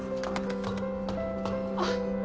あっ。